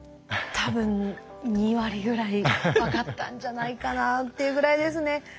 多分２割ぐらい分かったんじゃないかなっていうぐらいですね。